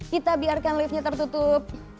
kita biarkan liftnya tertutup